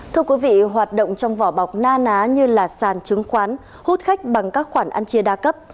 thưa quý vị hoạt động trong vỏ bọc na ná như là sàn chứng khoán hút khách bằng các khoản ăn chia đa cấp